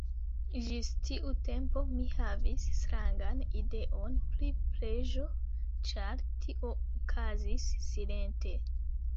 Ĝis tiu tempo mi havis strangan ideon pri preĝo, ĉar tio okazis silente.